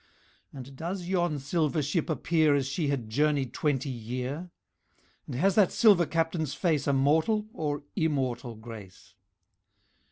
"And does yon silver Ship appear As she had journeyed twenty year? And has that silver Captain's face A mortal or Immortal grace?